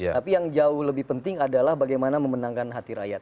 tapi yang jauh lebih penting adalah bagaimana memenangkan hati rakyat